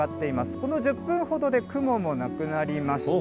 この１０分ほどで雲もなくなりました。